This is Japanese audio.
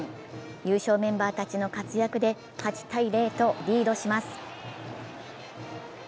優勝メンバーたちの活躍で８−０とリードします。